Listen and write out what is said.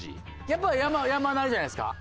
やっぱ山なりじゃないですか？